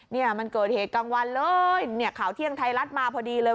เนี่ยมันเกิดเหตุกลางวันเลยเนี่ยข่าวเที่ยงไทยรัฐมาพอดีเลย